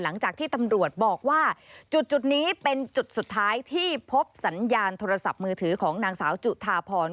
หลังจากที่ตำรวจบอกว่าจุดนี้เป็นจุดสุดท้ายที่พบสัญญาณโทรศัพท์มือถือของนางสาวจุธาพร